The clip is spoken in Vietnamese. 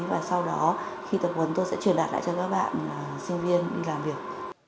và sau đó khi tập huấn tôi sẽ truyền đạt lại cho các bạn sinh viên đi làm việc